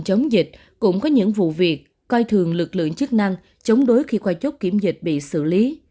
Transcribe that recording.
chống dịch cũng có những vụ việc coi thường lực lượng chức năng chống đối khi qua chốt kiểm dịch bị xử lý